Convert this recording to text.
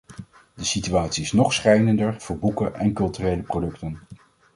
De situatie is nog schrijnender voor boeken en culturele producten.